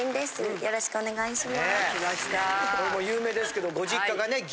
よろしくお願いします。